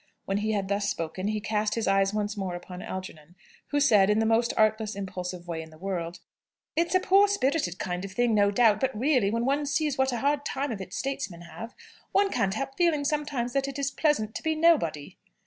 When he had thus spoken, he cast his eyes once more upon Algernon, who said, in the most artless, impulsive way in the world, "It's a poor spirited kind of thing, no doubt; but, really, when one sees what a hard time of it statesmen have, one can't help feeling sometimes that it is pleasant to be nobody."